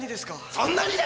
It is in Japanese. そんなにじゃねえ！